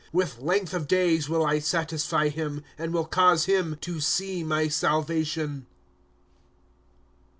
"" With length of days will I satisfy him, And will cause him to see my salvation.